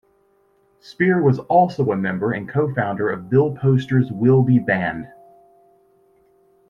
Spear was also a member and co-founder of Bill Posters Will Be Band.